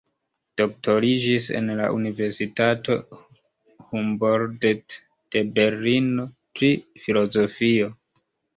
Doktoriĝis en la Universitato Humboldt de Berlino pri filozofio.